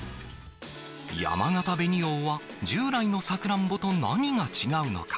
やまがた紅王は、従来のさくらんぼと何が違うのか。